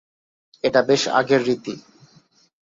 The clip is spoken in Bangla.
এটা বেশ আগের রীতি।